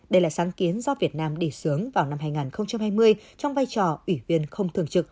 đây là sáng kiến do việt nam đi sướng vào năm hai nghìn hai mươi trong vai trò ủy viên không thường trực